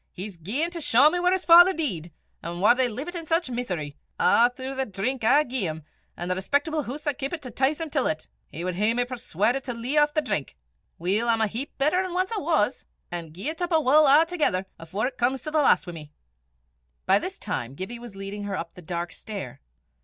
"He's gaein' to shaw me whaur his father dee'd, an' whaur they leevit in sic meesery a' throu' the drink I gae 'im, an' the respectable hoose I keepit to 'tice him till 't! He wad hae me persuaudit to lea' aff the drink! Weel, I'm a heap better nor ance I was, an' gie 't up I wull a'thegither afore it comes to the last wi' me." By this time Gibbie was leading her up the dark stair.